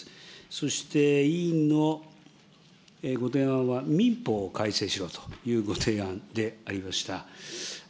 そして委員のご提案は、民法を改正しろというご提案でありました。